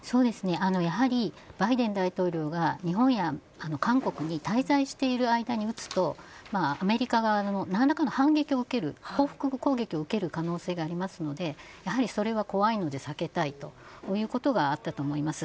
やはり、バイデン大統領が日本や韓国に滞在している間に撃つとアメリカ側のなんらかの反撃報復攻撃を受ける可能性がありますのでやはりそれは怖いので避けたいということがあったと思います。